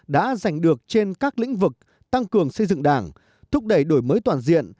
được trên các lĩnh vực tăng cường xây dựng đảng thúc đẩy đổi mới toàn diện